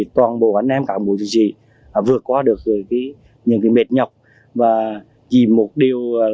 toàn bộ anh em cán bộ dân sĩ vượt qua được những mệt nhọc và chỉ một điều là yêu ngành và mến nghề